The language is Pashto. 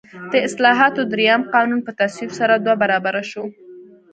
د اصلاحاتو درېیم قانون په تصویب سره دوه برابره شو.